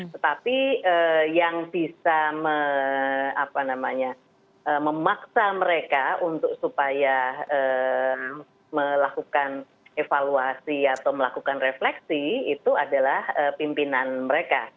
tetapi yang bisa memaksa mereka untuk supaya melakukan evaluasi atau melakukan refleksi itu adalah pimpinan mereka